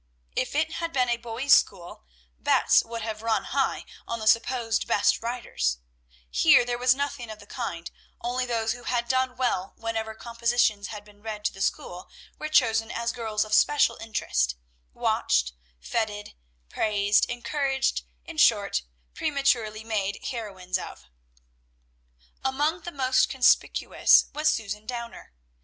If it had been a boys' school, bets would have run high on the supposed best writers; here there was nothing of the kind, only those who had done well whenever compositions had been read to the school were chosen as girls of especial interest, watched, fêted, praised, encouraged, in short, prematurely made heroines of. Among the most conspicuous was Susan Downer.